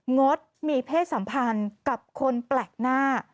งดมีเพศสัมพันธ์กับคนแปลกหน้า